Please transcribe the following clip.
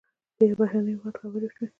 په یو بهرني هېواد خبرې وشوې.